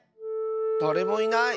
だれもいない。